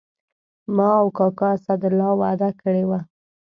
ما او کاکا اسدالله وعده کړې وه.